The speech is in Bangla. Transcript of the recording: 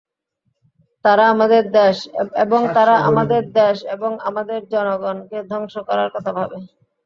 এবং তারা আমাদের দেশ আর আমাদের জনগণকে ধ্বংস করার কথা ভাবে।